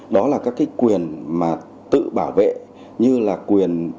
đó là các cái quyền mà tự bảo vệ như là quyền